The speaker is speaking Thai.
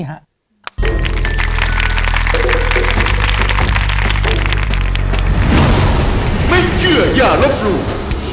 ไม่เชื่อย่ารบหลวง